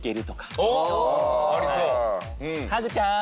ハグちゃん！